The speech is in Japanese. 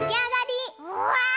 うわ！